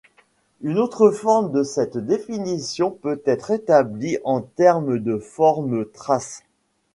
Une autre forme de cette définition peut être établie en termes de forme trace.